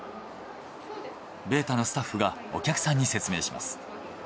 ベータのスタッフがお客さんに説明します。